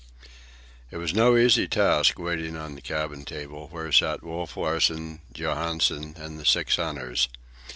It was no easy task, waiting on the cabin table, where sat Wolf Larsen, Johansen, and the six hunters.